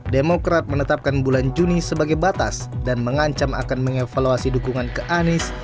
demokrat menetapkan bulan juni sebagai batas dan mengancam akan mengevaluasi dukungan ke anies